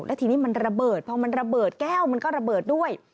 แล้วทีนี้มันระเบิดพอมันระเบิดแก้วมันก็ระเบิดด้วย